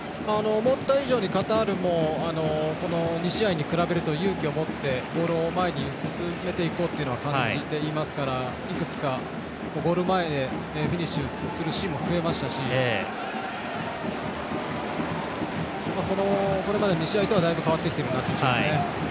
思った以上にカタールも２試合に比べると勇気を持ってボールを前に進めていこうというのは感じていますからいくつかゴール前でフィニッシュするシーンも増えましたしこれまでの２試合とはだいぶ変わってきているなという印象ですね。